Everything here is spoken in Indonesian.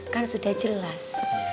kan sudah jelas